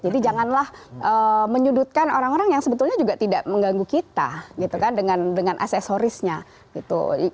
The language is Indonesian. jadi janganlah menyudutkan orang orang yang sebetulnya juga tidak mengganggu kita gitu kan dengan aksesorisnya gitu